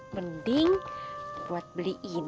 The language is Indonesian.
mending buat beli ini